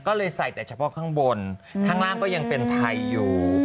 ก็เลยใส่แต่เฉพาะข้างบนข้างล่างก็ยังเป็นไทยอยู่